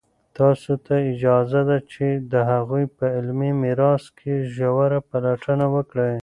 تاسو ته اجازه ده چې د هغوی په علمي میراث کې ژوره پلټنه وکړئ.